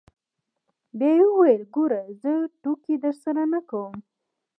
بيا يې وويل ګوره زه ټوکې درسره نه کوم.